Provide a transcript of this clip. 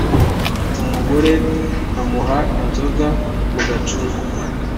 Umugore amuha inzoga mu gacuma